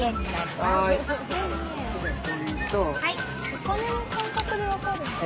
お金は感覚で分かる。